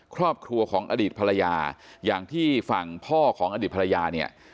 ครอบครัวของอดีตภรรยาอย่างที่ฝั่งพ่อของอดีตภรรยาเนี่ย